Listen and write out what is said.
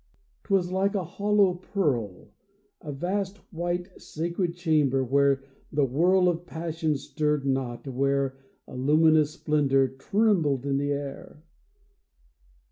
'Twas like a hollow pearl — A vast white sacred chamber, where the whirl Of passion stirred not, where A luminous splendor trembled in the air.